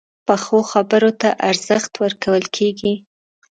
پخو خبرو ته ارزښت ورکول کېږي